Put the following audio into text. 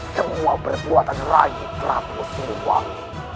semua perbuatan raih prabu siliwang